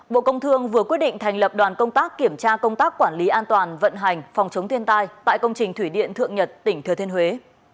bộ công thương vừa quyết định thành lập đoàn công tác kiểm tra công tác quản lý an toàn vận hành phòng chống thiên tai tại công trình thủy điện thượng nhật tỉnh thừa thiên huế